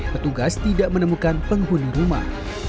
petugas tidak menemukan penghuni rumah